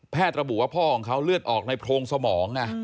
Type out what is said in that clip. ระบุว่าพ่อของเขาเลือดออกในโพรงสมอง